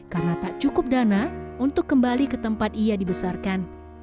karena tak cukup dana untuk kembali ke tempat ia dibesarkan